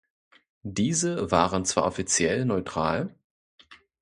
Diese waren zwar offiziell neutral.